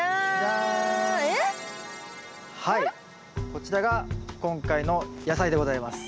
こちらが今回の野菜でございます。